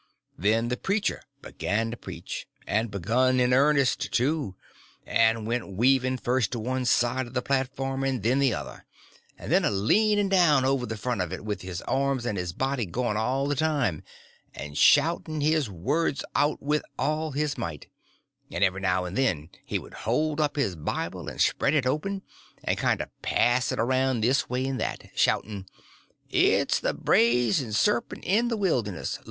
Then the preacher begun to preach, and begun in earnest, too; and went weaving first to one side of the platform and then the other, and then a leaning down over the front of it, with his arms and his body going all the time, and shouting his words out with all his might; and every now and then he would hold up his Bible and spread it open, and kind of pass it around this way and that, shouting, "It's the brazen serpent in the wilderness!